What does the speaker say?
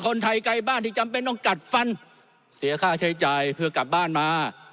คนไทยไกลบ้านที่จำเป็นต้องกัดฟันเสียค่าใช้จ่ายเพื่อกลับบ้านมา